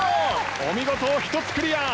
お見事１つクリア！